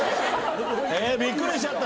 びっくりしちゃった。